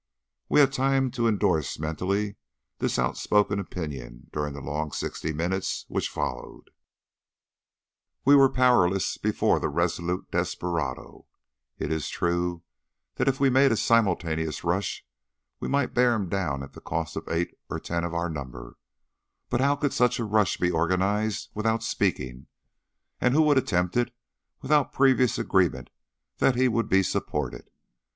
We had time to endorse mentally this outspoken opinion during the long sixty minutes which followed; we were powerless before the resolute desperado. It is true that if we made a simultaneous rush we might bear him down at the cost of eight or ten of our number. But how could such a rush be organised without speaking, and who would attempt it without a previous agreement that he would be supported?